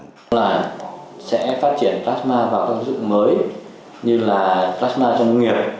chúng tôi sẽ phát triển plasma vào các ứng dụng mới như là plasma trong công nghiệp